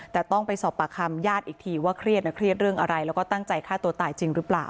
แต่ต้องไปสอบปากคำญาติอีกทีว่าเครียดนะเครียดเรื่องอะไรแล้วก็ตั้งใจฆ่าตัวตายจริงหรือเปล่า